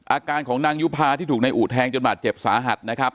อาการของนางยุภาที่ถูกนายอุแทงจนบาดเจ็บสาหัสนะครับ